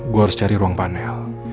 gue harus cari ruang panel